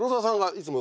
いつも。